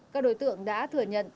các đối tượng đã thừa nhận